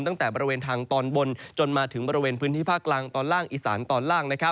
ตั้งแต่บริเวณทางตอนบนจนมาถึงบริเวณพื้นที่ภาคกลางตอนล่างอีสานตอนล่าง